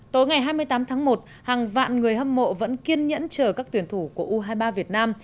tối ngày hai mươi tám tháng một hàng vạn người hâm mộ vẫn kiên nhẫn chờ các tuyển thủ của u hai mươi ba việt nam